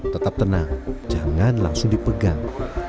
tetap tenang jangan langsung dipegang